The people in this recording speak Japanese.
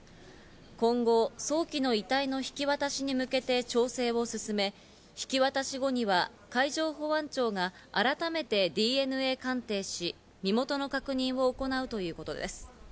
今後、早期の遺体の引き渡しに向けて調整を進め、引き渡し後には海上保安庁が改めてＤＮＡ鑑定し、身元の確認を行うということです。